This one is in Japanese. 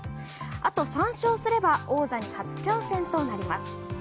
あと３勝すれば王座に初挑戦となります。